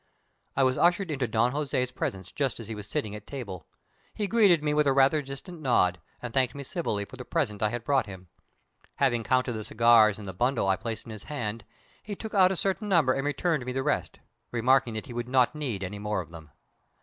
I was ushered into Don Jose's presence just as he was sitting at table. He greeted me with a rather distant nod, and thanked me civilly for the present I had brought him. Having counted the cigars in the bundle I had placed in his hand, he took out a certain number and returned me the rest, remarking that he would not need any more of them.